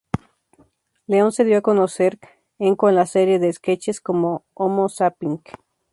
León se dio a conocer en con la serie de sketches "Homo zapping".